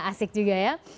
asik juga ya